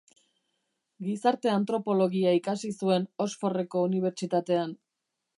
Gizarte-antropologia ikasi zuen Oxfordeko Unibertsitatean.